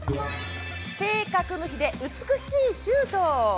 正確無比で美しいシュート！